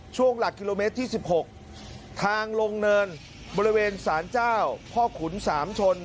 ช่วงหลักกิโลเมตรที่๑๖ทางลงเนินบริเวณสารเจ้าพ่อขุนสามชน